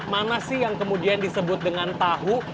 mana sih yang kemudian disebut dengan tahu